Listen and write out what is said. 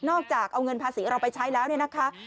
อกจากเอาเงินภาษีเราไปใช้แล้วเนี่ยนะคะ